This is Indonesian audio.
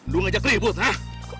lu ngajak ribut hah